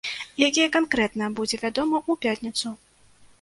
Якія канкрэтна, будзе вядома ў пятніцу.